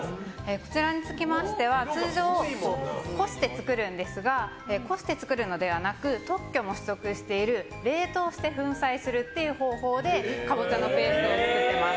こちらは通常はこして作るんですがこして作るのではなく特許取得している冷凍して粉砕する方法でカボチャのペーストを作っています。